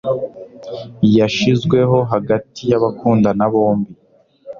Yashizweho hagati yabakundana bombi